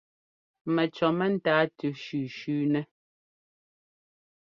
Mɛcʉɔ mɛ́táa tʉ shʉ̌shʉ̌ nɛ́.